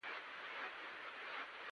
پنېر د خوراکي زېرمو برخه ده.